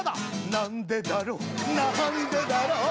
「なんでだろうなんでだろう」